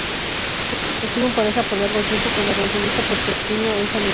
Estuvo en pareja por largo tiempo con la cancionista puertorriqueña Elsa Miranda.